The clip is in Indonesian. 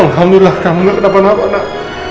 alhamdulillah kamu gak kena panah panah